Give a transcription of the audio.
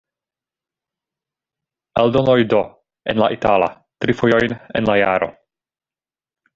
Eldonoj D, en la itala, tri fojojn en la jaro.